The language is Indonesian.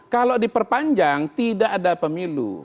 kalau diperpanjang tidak ada pemilu